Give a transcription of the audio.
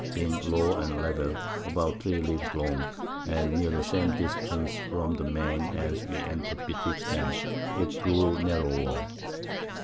being low and level, about 3 Leagues long, and near the same Distance from the main as we enter'd betwixt 'em, it grew narrower.